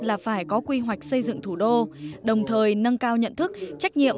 là phải có quy hoạch xây dựng thủ đô đồng thời nâng cao nhận thức trách nhiệm